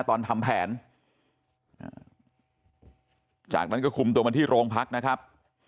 ตอนทำแผนจากนั้นก็คุมตัวมาที่โรงพักนะครับ